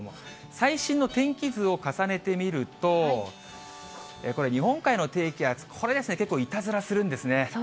最新の天気図を重ねてみると、これ、日本海の低気圧、これですね、結構、いたずらするんですね。